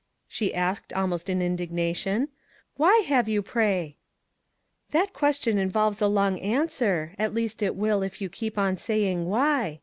she asked almost in indignation. " Why have you pray ?"" That question involves a long answer, at least it will if }'ou keep on saying why